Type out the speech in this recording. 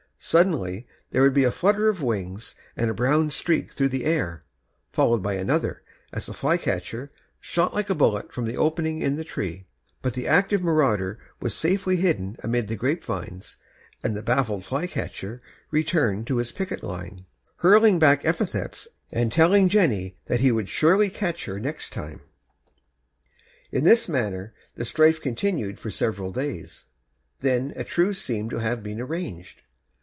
Suddenly there would be a flutter of wings and a brown streak through the air, followed by another as the flycatcher, shot like a bullet from the opening in the tree; but the active marauder was safely hidden amid the grapevines, and the baffled flycatcher returned to his picket line, hurling back epithets and telling Jenny that he would surely catch her next time. In this manner the strife continued for several days. Then a truce seemed to have been arranged.